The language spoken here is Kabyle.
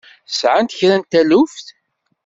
Sɛant kra n taluft?